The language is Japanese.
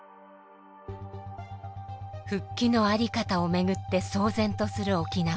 復帰の在り方をめぐって騒然とする沖縄。